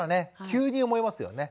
急に思いますよね。